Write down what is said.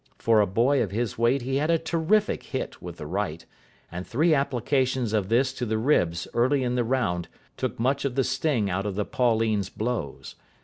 For a boy of his weight he had a terrific hit with the right, and three applications of this to the ribs early in the round took much of the sting out of the Pauline's blows.